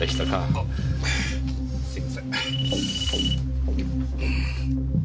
あっすいません。